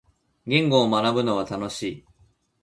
言語を学ぶのは楽しい。